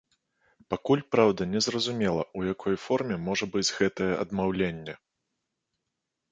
Пакуль, праўда, незразумела, у якой форме можа быць гэтае адмаўленне.